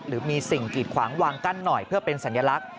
หรือมีสิ่งกีดขวางวางกั้นหน่อยเพื่อเป็นสัญลักษณ